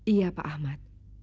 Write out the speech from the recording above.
iya pak ahmad